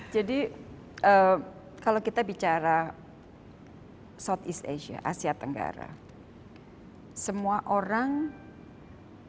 jadi kalau kita bicara southeast asia asia tenggara semua orang memahami